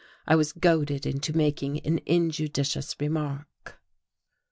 I was goaded into making an injudicious remark.